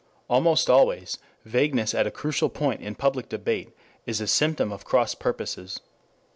Almost always vagueness at a crucial point in public debate is a symptom of cross purposes.